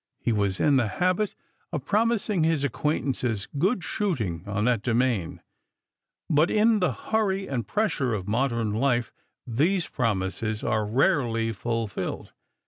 He was in the habit of promising his acquaintance good shooting on that domain ; but in the hurry and pressure of modern life these promises are rarely fulfilled.